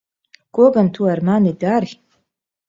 Ko gan tu ar mani dari?